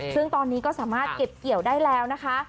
ซึ่งตอนนี้ก็สามารถเก็บเกี่ยวได้แล้วนะคะ